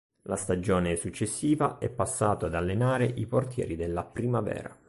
La stagione successiva è passato ad allenare i portieri della Primavera.